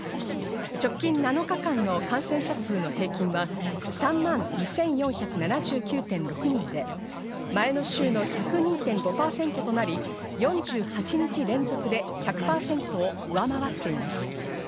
直近７日間の感染者数の平均は３万２４７９．６人で、前の週の１０２．５％となり、４８日連続で１００％を上回っています。